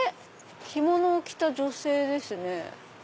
着物を着た女性ですね。